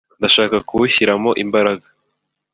ndashaka kuwushyiramo imbaraga